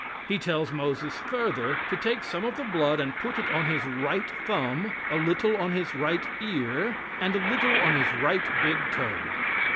He tells Moses further to take some of the blood and put it on his right thumb, a little on his right ear, and a little on his right big toe?